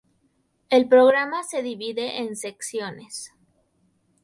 El programa se divide en secciones.